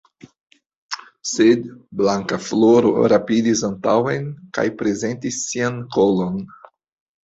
Sed Blankafloro rapidis antaŭen kaj prezentis sian kolon.